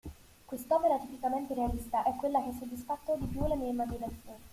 Quest'opera tipicamente realista è quella che ha soddisfatto di più la mia immaginazione.